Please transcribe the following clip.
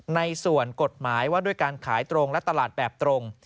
ในส่วนกฎหมายว่าด้วยการขายตรงและตลาดแบบตรง